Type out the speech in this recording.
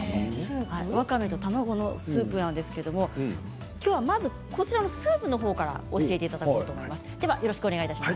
わかめと卵のスープなんですがきょうは、このスープのほうから教えていただきます。